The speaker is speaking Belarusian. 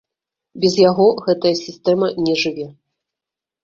Без яго гэтая сістэма не жыве.